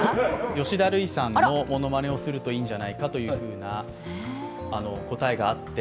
吉田類さんのものまねをするといいんじゃないかという答えもあって。